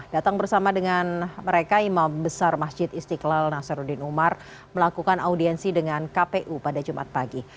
datang bersama dengan mereka imam besar masjid istiqlal nasaruddin umar melakukan audiensi dengan kpu pada jumat pagi